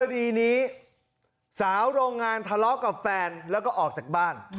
คดีนี้สาวโรงงานทะเลาะกับแฟนแล้วก็ออกจากบ้าน